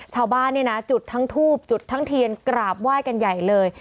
ชาวบ้านเนี่ยนะจุดทั้งทูบจุดทั้งเทียนกราบไหว้กันใหญ่เลย